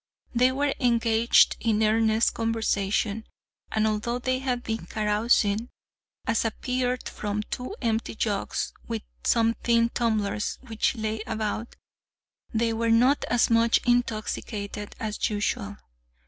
They were engaged in earnest conversation; and although they had been carousing, as appeared from two empty jugs, with some tin tumblers which lay about, they were not as much intoxicated as usual.